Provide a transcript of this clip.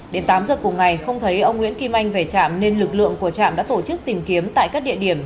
đến tám giờ cùng ngày không thấy ông nguyễn kim anh về trạm nên lực lượng của trạm đã tổ chức tìm kiếm tại các địa điểm